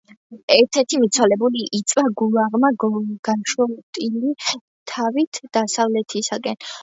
ერთ-ერთი მიცვალებული იწვა გულაღმა გაშოტილი, თავით დასავლეთისაკენ.